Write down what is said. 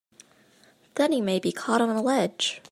Then he may be caught on a ledge!